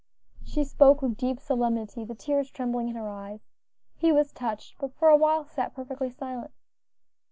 She spoke with deep solemnity, the tears trembling in her eyes. He was touched, but for a while sat perfectly silent.